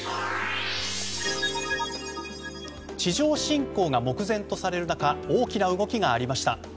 地上侵攻が目前とされる中大きな動きがありました。